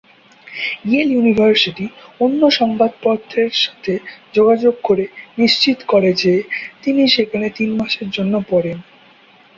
Yale University, অন্য সংবাদপত্রের সাথে যোগাযোগ করে, নিশ্চিত করে যে তিনি সেখানে তিন মাসের জন্য পড়েন।